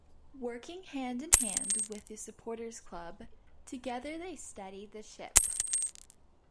Working hand in hand with the Supporters' Club, together they steadied the ship.